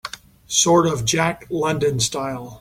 Sort of a Jack London style?